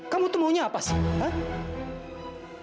kamu itu maunya apa sih